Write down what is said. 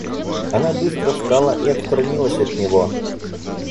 Она быстро встала и отстранилась от него.